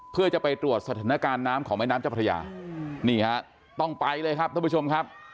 เพื่อจะไปตรวจสถานการณ์น้ำของแม่น้ำเจ้าพระยานี่ฮะต้องไปเลยครับท่านผู้ชมครับ